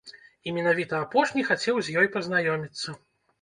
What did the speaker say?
І менавіта апошні хацеў з ёй пазнаёміцца.